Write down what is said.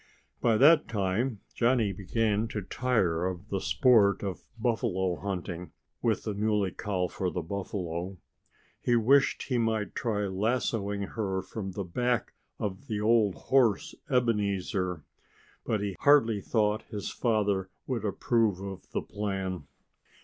By that time Johnnie began to tire of the sport of buffalo hunting (with the Muley Cow for the buffalo). He wished he might try lassoing her from the back of the old horse Ebenezer. But he hardly thought his father would approve of the plan.